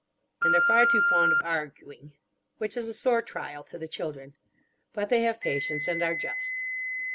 And are far too fond of arguing. Which is a sore trial to the children. But they have patience, and are just.